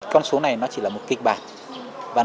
con số này chỉ là một kịch bản